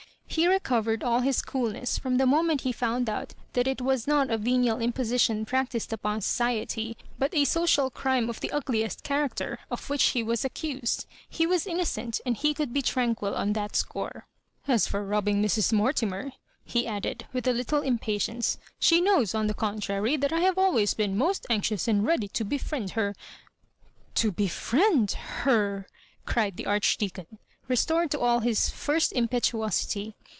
He recovered all his coolness from the moment he found out it that was not a venial imposition practised upon society, but a social crime of the ugliest character, of which he was accused. He was innocent, and he could be tranquil on that score. " As foi^ robbing Mra Mortimer,'* he added, with a little impatience, " she knows, on the contrary, that I have always been most anxious and ready to befriend her—" To befriend — Her I" cried the Archdeacon, restored to all his first impetuosity.